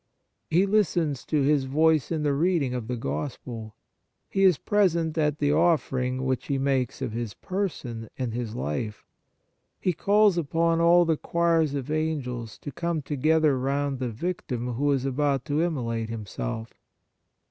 He listens to His voice in the read ing of the Gospel. He is present at the offering which He makes of His person and His life. He calls upon all the choirs of Angels to come together round the Victim who is 69 On the Exercises of Piety about to immolate Himself.